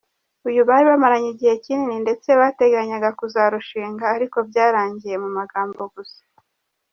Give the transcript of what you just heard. Uyu bari bamaranye igihe kinini ndetse bateganyaga kuzarushinga ariko byarangiriye mu magambo gusa.